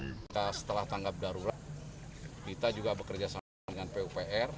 kita setelah tanggap darurat kita juga bekerja sama dengan pupr